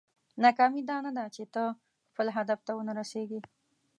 ناکامي دا نه ده چې ته خپل هدف ته ونه رسېږې.